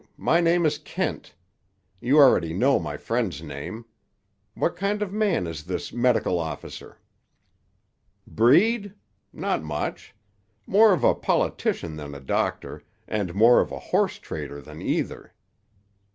My name is Kent. You already know my friend's name. What kind of man is this medical officer?" "Breed? Not much. More of a politician than a doctor, and more of a horse trader than either.